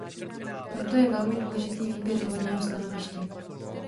Proto je velmi důležitý výběr vhodného stanoviště.